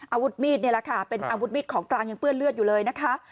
อาวุธมีดนี่แหละค่ะเป็นอาวุธมีดของกลางยังเปื้อนเลือดอยู่เลยนะคะ